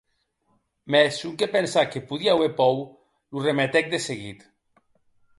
Mès sonque pensar que podie auer pòur lo remetec de seguit.